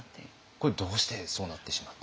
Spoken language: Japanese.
これどうしてそうなってしまったんですか？